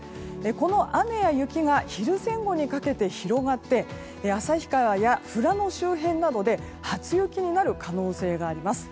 この雨や雪が昼前後にかけて広がって旭川や富良野周辺などで初雪になる可能性があります。